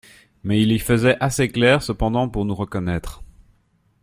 Mais il y faisait assez clair cependant pour nous reconnaître.